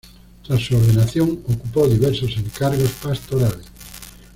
Tras su ordenación ocupó diversos encargos pastorales.